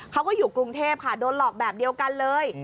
เขาก็อยู่กรุงเทพค่ะโดนหลอกแบบเดียวกันเลย